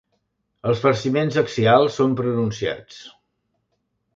Els farciments axials són pronunciats.